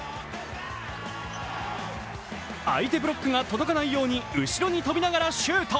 相手ブロックが届かないように後ろに飛びながらシュート。